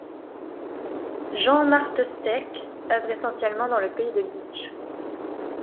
Jean Martersteck œuvre essentiellement dans le Pays de Bitche.